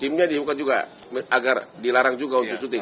timnya dibuka juga agar dilarang juga untuk syuting